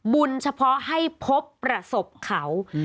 เฉพาะให้พบประสบเขา